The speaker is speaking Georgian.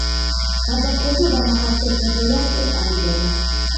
გაზაფხულზე დამახასიათებელია წყლის ადიდება.